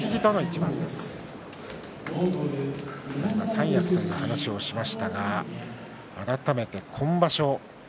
三役という話をしましたが改めて今場所